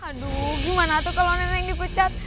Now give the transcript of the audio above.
aduh gimana tuh kalau nenek dipecat